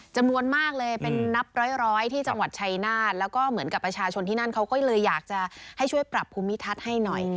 จำนวนมากเลยเป็นนับร้อยที่จังหวัดชัยนาธแล้วก็เหมือนกับประชาชนที่นั่นเขาก็เลยอยากจะให้ช่วยปรับภูมิทัศน์ให้หน่อย